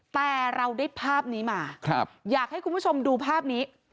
แต่เราได้ภาพนี้มาอยากให้คุณผู้ชมดูภาพนี้